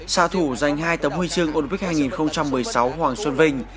xa thủ giành hai tấm huy chương olympic hai nghìn một mươi sáu hoàng xuân vinh